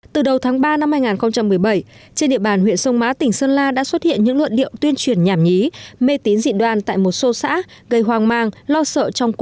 từ đầu tháng ba năm hai nghìn một mươi bảy trên địa bàn huyện sông mã tỉnh sơn la đã xuất hiện những luận điệu tuyên truyền nhảm nhí mê tín dị đoan tại một số đối tượng